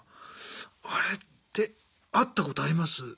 あれって遭ったことあります？